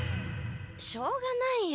しょうがないよ。